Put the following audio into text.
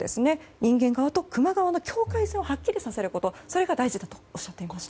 人間側とクマ側の境界線をはっきりさせることが大事だとおっしゃっていました。